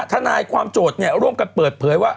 ทนายความโจทย์ร่วมกันเปิดเผยว่า